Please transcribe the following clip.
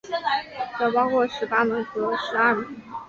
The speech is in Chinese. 则包括十八门和十二门。